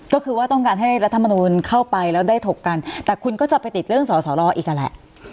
ก็คือว่าต้องการให้รัฐมนูลเข้าไปแล้วได้ถกกันแต่คุณก็จะไปติดเรื่องสอสอรออีกนั่นแหละ